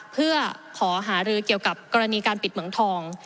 เพื่อขอหารือเกี่ยวกับกรณีการปิดเหมืองทอง